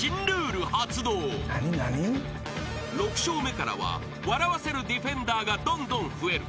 ［６笑目からは笑わせるディフェンダーがどんどん増える］